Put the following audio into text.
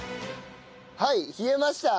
はい冷えました！